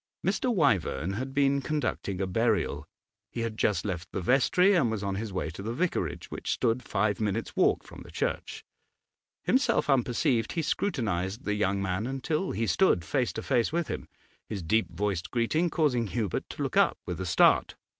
Mr. Wyvern had been conducting a burial; he had just left the vestry and was on his way to the vicarage, which stood five minutes' walk from the church. Himself unperceived, he scrutinised the young man until he stood face to face with him; his deep voiced greeting caused Hubert to look up' with a start.